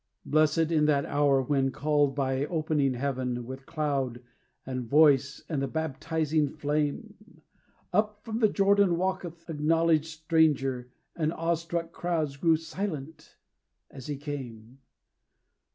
Blessed in that hour, when called by opening heaven With cloud, and voice, and the baptizing flame, Up from the Jordan walked th' acknowledged stranger, And awe struck crowds grew silent as he came.